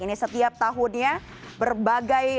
ini setiap tahunnya berbagai